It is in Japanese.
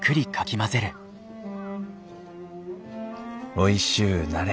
おいしゅうなれ。